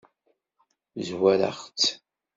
Zwareɣ-tt.